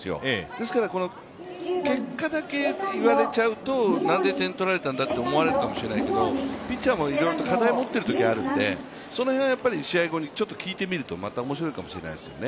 ですから、結果だけ言われちゃうとなんで点を取られたんだって思われるかもしれないけど、ピッチャーも課題を持っているときがあるんで、その辺はまた試合後に聞いてみるとまたおもしろいかもしれないですね。